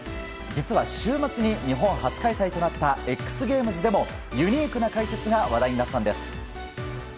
実は週末に日本初開催となったＸＧＡＭＥＳでもユニークな解説が話題になったんです。